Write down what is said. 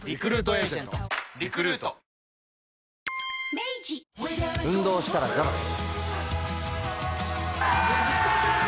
明治運動したらザバス。